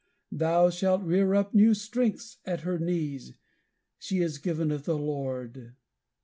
Thou shalt rear up new strengths at her knees; she is given of the Lord!